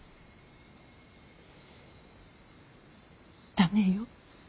駄目よ